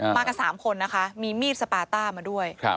มากัน๓คนนะคะมีมีดสปาต้ามาด้วย